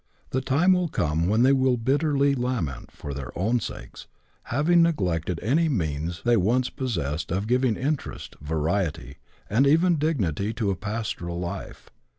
The time will come when they will bitterly lament, for their own sakes, having neglected any means they once possessed of giving interest, variety, and even dignity to a pastoral life.